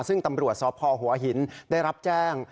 ซึ่งตำรวจสพหัวหินได้รับแจ้ง